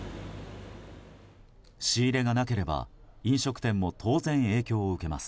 仕入れがなければ飲食店も当然、影響を受けます。